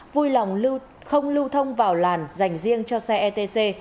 vui lòng không lưu thông vào làn dành riêng cho xe etc